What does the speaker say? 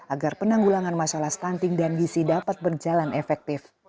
agar penanggulangan masalah stunting dan gisi dapat berjalan efektif